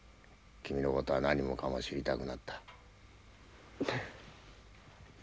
君の事は何もかも知りたくなった。